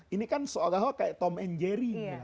ini kan seolah olah kayak tom and jerry